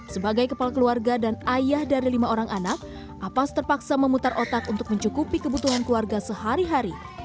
sebagai kepala keluarga dan ayah dari lima orang anak apas terpaksa memutar otak untuk mencukupi kebutuhan keluarga sehari hari